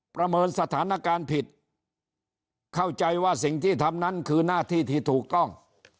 ประเมินสถานการณ์ผิดเข้าใจว่าสิ่งที่ทำนั้นคือหน้าที่ที่ถูกต้อง